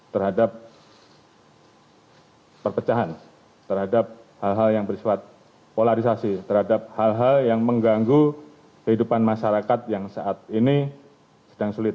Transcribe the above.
terhadap perpecahan terhadap hal hal yang bersifat polarisasi terhadap hal hal yang mengganggu kehidupan masyarakat yang saat ini sedang sulit